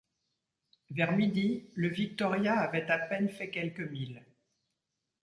Vers midi, le Victoria avait à peine fait quelques milles.